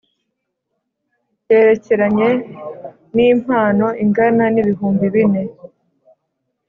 yerekeranye n impano ingana n ibihumbi bine